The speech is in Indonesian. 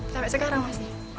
sampai sekarang mas